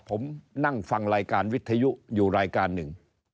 ผมนั่งฟังรายการวิทยุอยู่รายการหนึ่ง